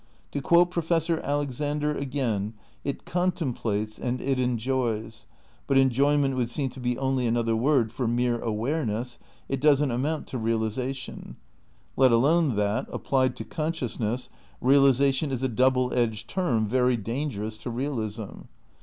'' To quote Professor Alexander agaia, it "contemplates" and it "enjoys"; but enjoyment would seem to be only another word for mere aware ness, it doesn't amount to realisation; let alone that, applied to consciousness, "realisation" is a double edged term very dangerous to realism.